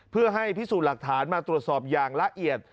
เพื่อให้พิสูจน์หลักฐานมาตรวจสอบอย่างละเอียด